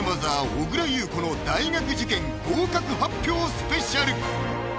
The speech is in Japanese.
小倉優子の大学受験合格発表スペシャル！